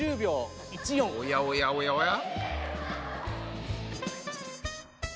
おやおやおやおや？